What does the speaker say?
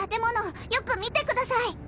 よく見てください！